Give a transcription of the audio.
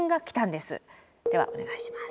ではお願いします。